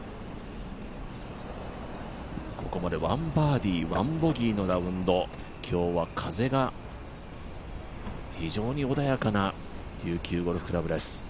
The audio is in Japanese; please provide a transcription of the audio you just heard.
ここまで１バーディー１ボギーのラウンド今日は風が非常に穏やかな琉球ゴルフ倶楽部です。